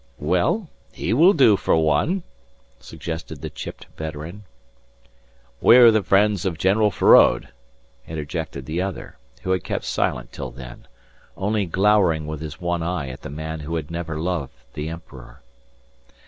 "Well, he will do for one," suggested the chipped veteran. "We're the friends of General Feraud," interjected the other, who had kept silent till then, only glowering with his one eye at the man who had never loved the emperor.